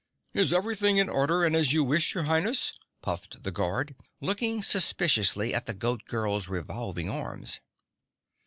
"Is everything in order and as you wish, your Highness?" puffed the Guard, looking suspiciously at the Goat Girl's revolving arms.